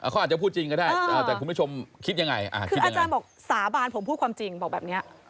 เขาอาจจะพูดจริงก็ได้แต่คุณผู้ชมคิดยังไงคืออาจารย์บอกสาบานผมพูดความจริงบอกแบบนี้